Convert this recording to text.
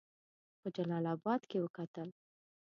په جلا آباد کې وکتل.